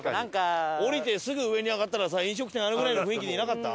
降りてすぐ上に上がったらさ飲食店あるぐらいの雰囲気でいなかった？